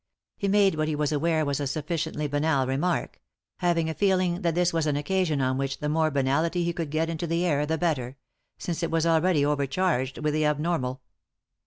He made what he was aware was a sufficiently banal remark ; having a feeling that this was an occasion on which the more banality he could get into the air the better— since it was already overcharged with the abnormal.